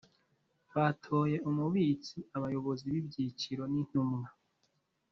batoye Umubitsi abayobozi b ibyiciro n intumwa